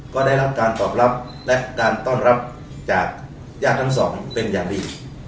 ก็ได้รับการตอบรับและการต้อนรับจากญาติทั้งสองเป็นอย่างดี